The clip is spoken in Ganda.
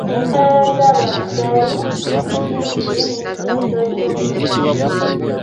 Enkalala z’abantu zaali njingirire n’ekigendererwa eky’okunyaga ensimbi.